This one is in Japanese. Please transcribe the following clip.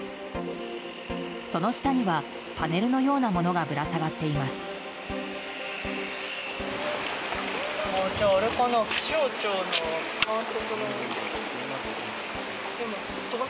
その下にはパネルのようなものがぶら下がっています。